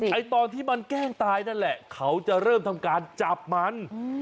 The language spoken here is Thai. ไอ้ตอนที่มันแกล้งตายนั่นแหละเขาจะเริ่มทำการจับมัน